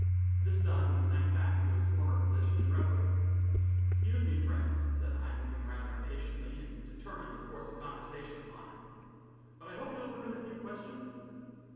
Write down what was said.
This done, he sank back to his former position and reverie. "Excuse me, friend," said I, moving rather impatiently, and determined to force a conversation upon him, "but I hope you will permit a few questions?"